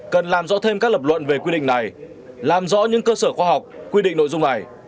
cần làm rõ thêm các lập luận về quy định này làm rõ những cơ sở khoa học quy định nội dung này